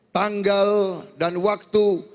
tanggal dan waktu